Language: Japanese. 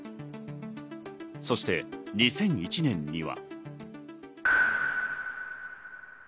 そして２００１年には。